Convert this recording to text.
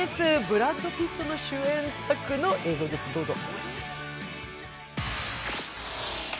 ブラッド・ピットの主演作の映像です、どうぞ。